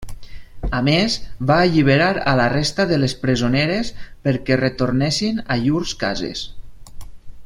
A més, va alliberar a la resta de les presoneres perquè retornessin a llurs cases.